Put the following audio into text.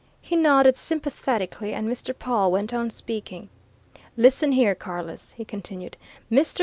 He nodded sympathetically, and Mr. Pawle went on speaking. "Listen here, Carless!" he continued. "Mr.